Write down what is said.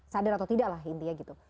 sadar atau tidak lah intinya gitu